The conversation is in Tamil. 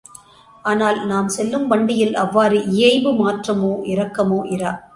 ஆனால், நாம் செல்லும் வண்டியில் அவ்வாறு இயைபு மாற்றமோ இறக்கமோ இரா.